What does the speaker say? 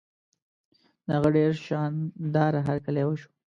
د هغه ډېر شان داره هرکلی وشو.